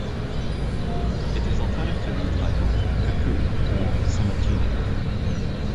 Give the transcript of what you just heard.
It is alternatively titled "Cuckoo" or "Sonatina".